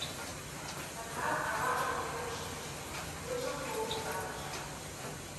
Сакар аваже воктен шинче, вуйжым кумык сакыш.